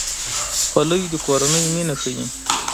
خولۍ د کورنۍ مینه ښيي.